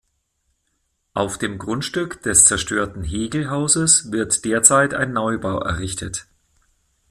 Auf dem Grundstück des zerstörten Hegel-Hauses wird derzeit ein Neubau errichtet.